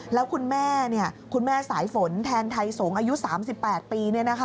แล้วคุณแม่คุณแม่สายฝนแทนไทยสงฆ์อายุ๓๘ปี